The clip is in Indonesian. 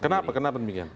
kenapa kenapa demikian